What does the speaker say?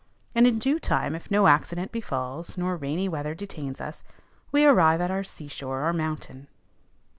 And in due time, if no accident befalls, nor rainy weather detains us, we arrive at our seashore or mountain.